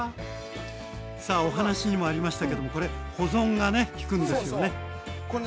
お話にもありましたけどもこれ保存がねきくんですよね。